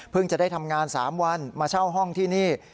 เพิ่งจะได้ทำงานสามวันมาเช่าห้องที่นี่